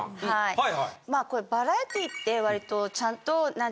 はい。